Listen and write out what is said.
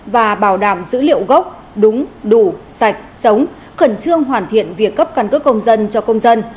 và bảo đảm dữ liệu gốc đúng đủ sạch sống khẩn trương hoàn thiện việc cấp căn cước công dân cho công dân